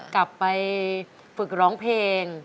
กลับไปฝึกร้องเพลง